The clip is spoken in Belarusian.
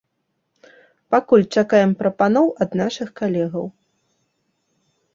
Пакуль чакаем прапаноў ад нашых калегаў.